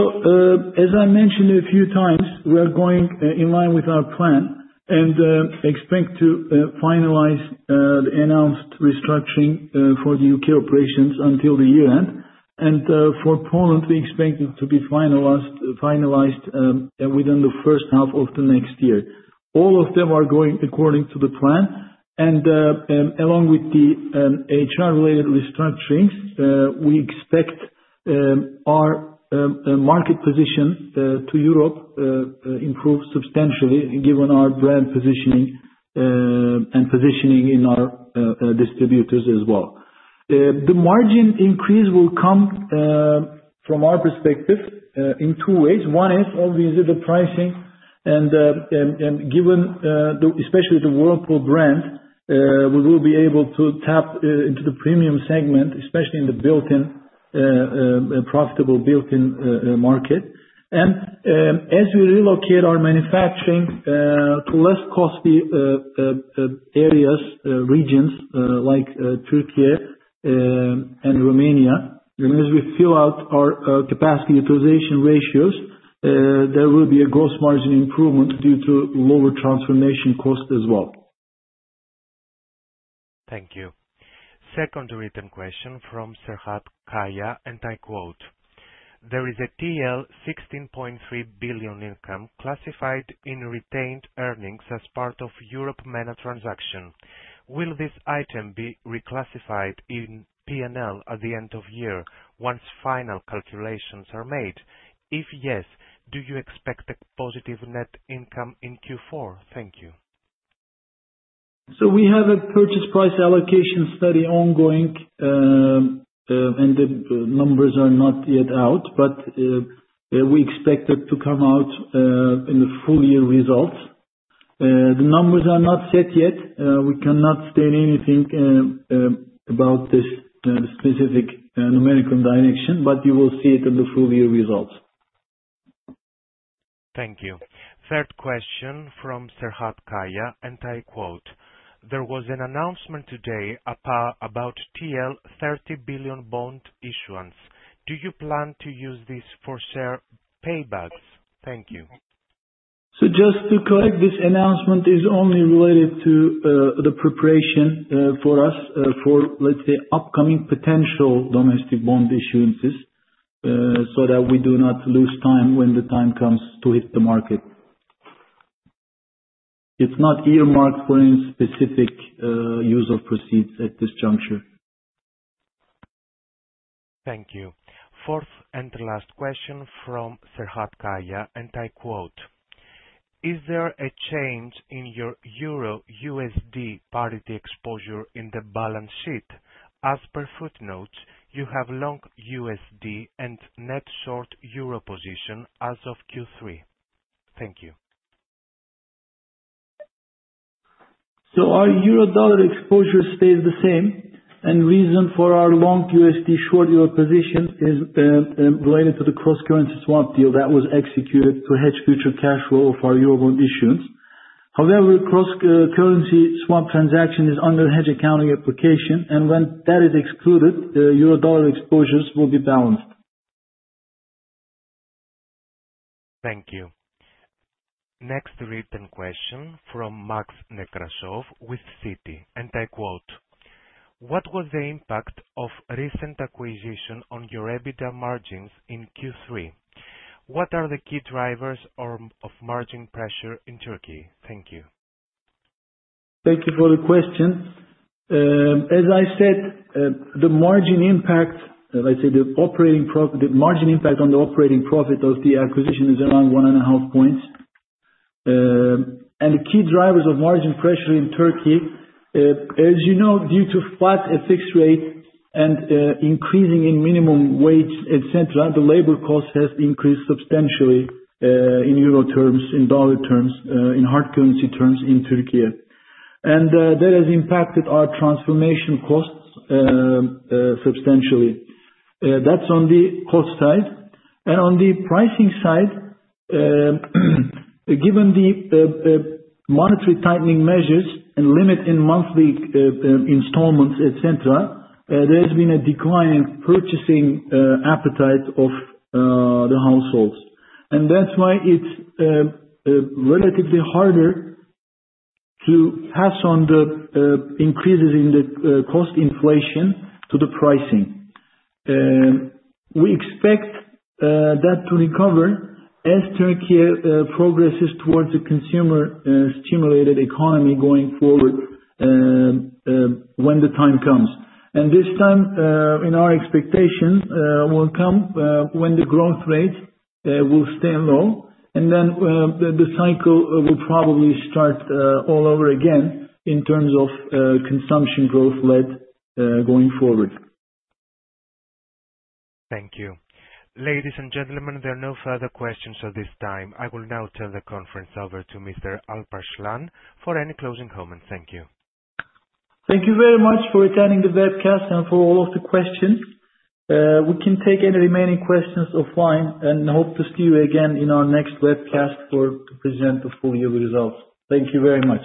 as I mentioned a few times, we are going in line with our plan, and expect to finalize the announced restructuring for the UK operations until the year end. And for Poland, we expect it to be finalized within the first half of the next year. All of them are going according to the plan, and along with the HR-related restructurings, we expect our market position to Europe improve substantially, given our brand positioning and positioning in our distributors as well. The margin increase will come from our perspective in two ways. One is obviously the pricing, and given the especially the Whirlpool brand, we will be able to tap into the premium segment, especially in the built-in profitable built-in market. And as we relocate our manufacturing to less costly areas, regions like Turkey and Romania, and as we fill out our capacity utilization ratios, there will be a gross margin improvement due to lower transformation cost as well. Thank you. Second written question from Serhat Kaya, and I quote, "There is a 16.3 billion income classified in retained earnings as part of Europe MENA transaction. Will this item be reclassified in P&L at the end of year once final calculations are made? If yes, do you expect a positive net income in Q4?" Thank you. We have a purchase price allocation study ongoing, and the numbers are not yet out, but we expect it to come out in the full year results. The numbers are not set yet. We cannot state anything about this specific numerical direction, but you will see it in the full year results. Thank you. Third question from Serhat Kaya, and I quote, "There was an announcement today about 30 billion bond issuance. Do you plan to use this for share paybacks?" Thank you. So just to correct, this announcement is only related to the preparation for us, let's say, upcoming potential domestic bond issuances, so that we do not lose time when the time comes to hit the market. It's not earmarked for any specific use of proceeds at this juncture. Thank you. Fourth and last question from Serhat Kaya, and I quote, "Is there a change in your Euro/USD parity exposure in the balance sheet? As per footnotes, you have long USD and net short Euro position as of Q3." Thank you. So our Euro/dollar exposure stays the same, and reason for our long USD short Euro position is related to the cross-currency swap deal that was executed to hedge future cash flow of our Eurobond issuance. However, cross-currency swap transaction is under hedge accounting application, and when that is excluded, the Euro/dollar exposures will be balanced. Thank you. Next written question from Max Nekrasov with Citi, and I quote, "What was the impact of recent acquisition on your EBITDA margins in Q3? What are the key drivers or, of margin pressure in Turkey?" Thank you. Thank you for the question. As I said, the margin impact, as I said, the margin impact on the operating profit of the acquisition is around one and a half points. And the key drivers of margin pressure in Turkey, as you know, due to flat FX rate and increasing in minimum wage, et cetera, the labor cost has increased substantially, in Euro terms, in dollar terms, in hard currency terms, in Turkey. And that has impacted our transformation costs substantially. That's on the cost side. And on the pricing side, given the monetary tightening measures, and limit in monthly installments, et cetera, there has been a decline in purchasing appetite of the households. And that's why it's relatively harder to pass on the increases in the cost inflation to the pricing. We expect that to recover as Turkey progresses towards a consumer stimulated economy going forward, when the time comes. And this time, in our expectation, will come when the growth rate will stay low, and then the cycle will probably start all over again in terms of consumption growth-led going forward. Thank you. Ladies and gentlemen, there are no further questions at this time. I will now turn the conference over to Mr. Alparslan for any closing comments. Thank you. Thank you very much for attending the webcast and for all of the questions. We can take any remaining questions offline, and hope to see you again in our next webcast for to present the full year results. Thank you very much.